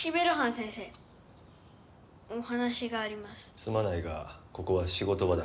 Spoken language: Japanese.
すまないがここは仕事場だ。